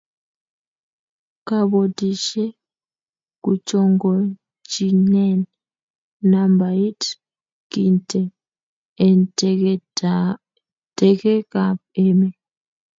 kabotishee kuchongonchineeen nambait kintee en tekeekab emee